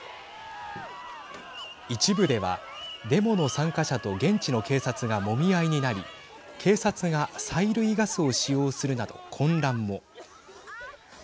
一部ではデモの参加者と現地の警察がもみ合いになり警察が催涙ガスを使用するなど混乱も。